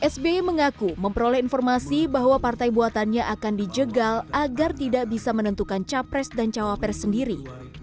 sbi mengaku memperoleh informasi bahwa partai buatannya akan dijegal agar tidak bisa menentukan capres dan cawapres sendiri